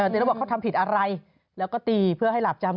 แล้วบอกเขาทำผิดอะไรแล้วก็ตีเพื่อให้หลาบจำ